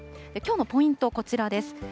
きょうのポイント、こちらです。